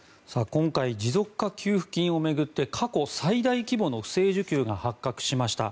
今回持続化給付金を巡って過去最大規模の不正受給が発覚しました。